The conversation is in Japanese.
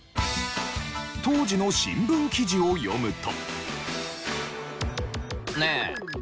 当時の新聞記事を読むと。